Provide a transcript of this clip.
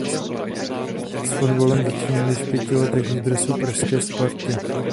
S fotbalem začínal již v pěti letech v dresu pražské Sparty.